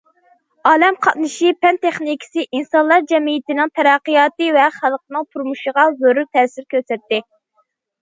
ئالەم قاتنىشى پەن- تېخنىكىسى ئىنسانلار جەمئىيىتىنىڭ تەرەققىياتى ۋە خەلقنىڭ تۇرمۇشىغا زور تەسىر كۆرسەتتى.